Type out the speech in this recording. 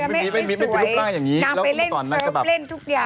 ไม่มีรูปร่างอย่างนี้นางไปเล่นทุกอย่าง